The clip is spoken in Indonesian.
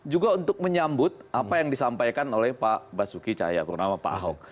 juga untuk menyambut apa yang disampaikan oleh pak basuki cahaya purnama pak ahok